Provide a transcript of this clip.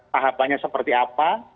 tahapannya seperti apa